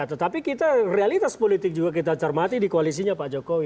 tetapi kita realitas politik juga kita cermati di koalisinya pak jokowi